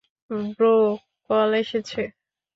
Bro, call এসেছে।